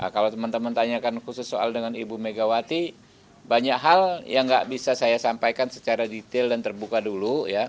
kalau teman teman tanyakan khusus soal dengan ibu megawati banyak hal yang nggak bisa saya sampaikan secara detail dan terbuka dulu